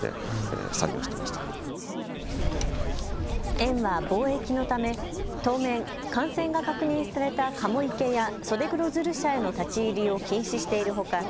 園は防疫のため当面、感染が確認されたカモ池やソデグロヅル舎への立ち入りを禁止しているほか